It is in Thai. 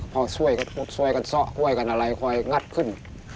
พอสวยกันสวยกันซะสวยกันอะไรค่อยงัดขึ้น